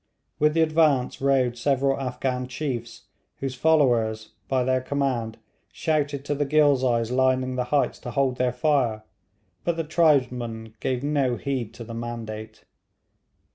With the advance rode several Afghan chiefs, whose followers, by their command, shouted to the Ghilzais lining the heights to hold their fire, but the tribesmen gave no heed to the mandate.